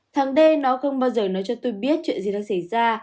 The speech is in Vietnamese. thằng d nó không bao giờ nói cho tôi biết chuyện gì đang xảy ra